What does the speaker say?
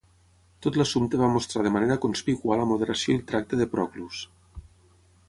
Tot l'assumpte va mostrar de manera conspícua la moderació i el tacte de Proclus.